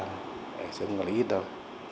sẽ không có lý ít đâu